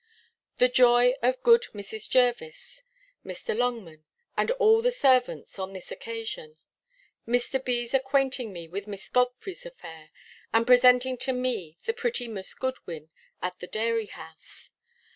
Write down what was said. The joy of good Mrs. Jervis, Mr. Longman, and all the servants, on this occasion. Mr. B.'s acquainting me with Miss Godfrey's affair, and presenting to me the pretty Miss Goodwin, at the dairy house.